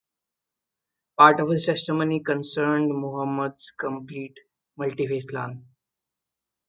Part of his testimony concerned Muhammad's complete, multiphase plan.